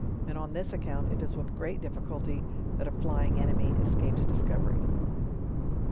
and on this account it is with great difficulty that a flying enemy escapes discovery.